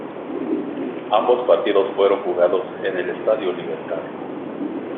Ambos partidos fueron jugados en el Estadio Libertad.